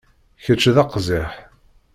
Kečč d aqziḥ.